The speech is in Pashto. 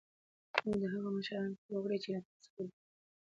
او د هغه مشرانو اطاعت وکړی چی له تاسی څخه دی .